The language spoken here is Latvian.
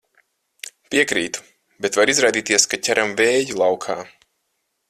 Piekrītu, bet var izrādīties, ka ķeram vēju laukā.